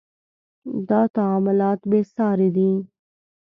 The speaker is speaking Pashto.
• دا تعاملات بې ساري دي.